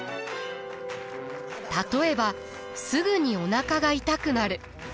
例えばすぐにおなかが痛くなる。